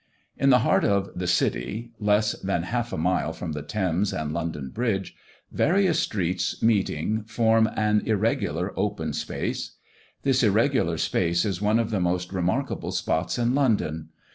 In the heart of the City, less than half a mile from the Thames and London bridge, various streets meeting form an irregular open place. This irregular place is one of the most remarkable spots in London.